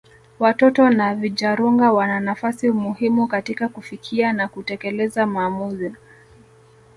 Watoto na vijarunga wana nafasi muhimu katika kufikia na kutekeleza maamuzi